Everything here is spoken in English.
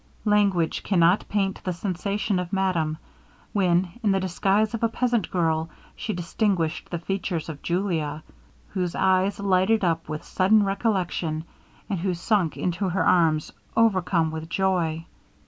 Language cannot paint the sensation of madame, when in the disguise of a peasant girl, she distinguished the features of Julia, whose eyes lighted up with sudden recollection, and who sunk into her arms overcome with joy.